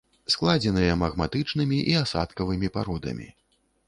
Складзеныя магматычнымі і асадкавымі пародамі.